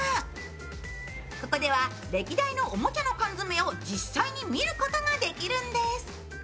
ここでは歴代のおもちゃのカンヅメを実際に見ることができるんです。